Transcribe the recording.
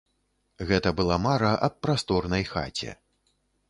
Гэта была мара аб прасторнай хаце.